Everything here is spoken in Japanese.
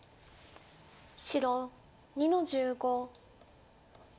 白２の十五。